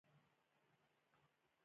یوه ګډوډي وه.